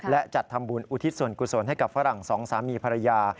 และจัดทำบุญอุทิศส่วนกุศลให้กับฝรั่งสองสามีภรรยา